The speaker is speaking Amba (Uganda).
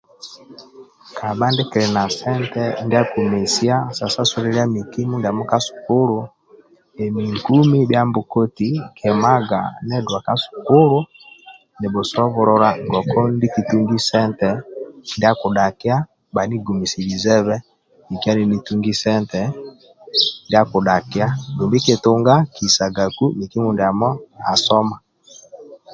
Kabha die kili na sente ndia akumesia sa sasulilia miki mindiamo ka sukulu emi nkumi bhia mbokoti nkimaga nidua ka sukulu nibhusobolola ngoku ndie kitungi sente ndia akudhakia bhanigumisilizebe nkia nini tungi sente ndia akudhakia dumbi kitunga nikisagaku miki mindiamo asoma